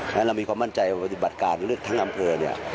เพราะฉะนั้นเรามีความมั่นใจว่าปฏิบัติการเลือกทั้งอำเภอเนี่ย